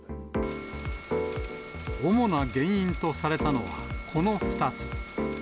主な原因とされたのは、この２つ。